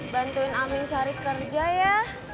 bantuin amin cari kerja ya